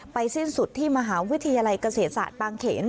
สิ้นสุดที่มหาวิทยาลัยเกษตรศาสตร์บางเขน